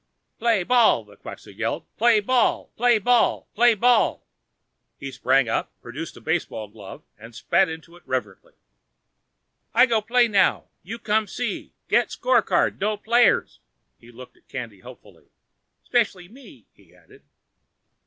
"Play ball!" the Quxa yelled. "Play ball! Play ball! Play ball!" He sprang up, produced a baseball glove and spat into it reverently. "I go play now. You come see. Get scorecard, know players." He looked at Candy hopefully. "'Specially me," he added.